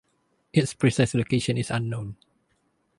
Its precise location is unknown.